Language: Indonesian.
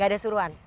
gak ada suruhan